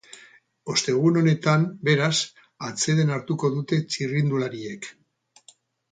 Ostegun honetan, beraz, atseden hartuko dute txirrindulariek.